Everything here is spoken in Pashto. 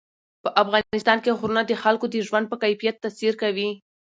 په افغانستان کې غرونه د خلکو د ژوند په کیفیت تاثیر کوي.